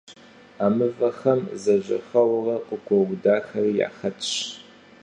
А мывэхэм зэжьэхэуэурэ къыгуэудахэри яхэтщ.